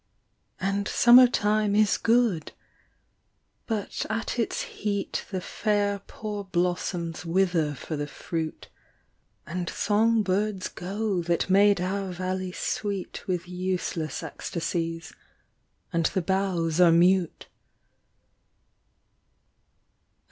And summer time is good ; but at its heat The fair poor blossoms wither for the fruit, And song birds go that made our valley sweet With useless ecstasies, and the boughs are mute.